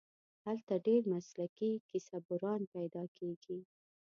هلته ډېر مسلکي کیسه بُران پیدا کېږي.